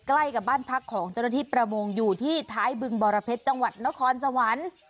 ใกล้กับบ้านพักของเจ้าหน้าที่ประมงอยู่ที่ท้ายบึงบรเพชรจังหวัดนครสวรรค์